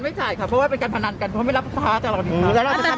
ไม่ได้พูดไปเรื่อยนะคะแต่พูดที่สนุนสนานพูดไปเลย